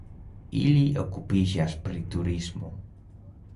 Ili okupiĝas pri turismo.